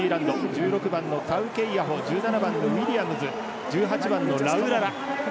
１６番のタウケイアホ１７番のウィリアムズとラウララ。